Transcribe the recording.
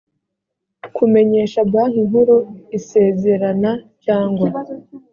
kumenyesha banki nkuru isezera na cyangwa